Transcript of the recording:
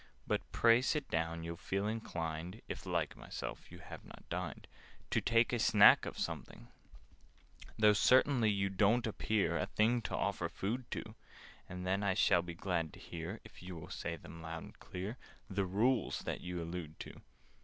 But pray sit down: you'll feel inclined (If, like myself, you have not dined) To take a snack of something: "Though, certainly, you don't appear A thing to offer food to! And then I shall be glad to hear— If you will say them loud and clear— The Rules that you allude to."